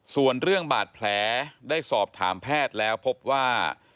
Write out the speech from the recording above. ส่วนเรื่องบาดแผลได้สอบถามแพทย์แล้วพบว่า